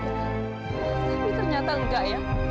tapi ternyata nggak ya